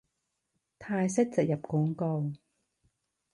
泰式植入廣告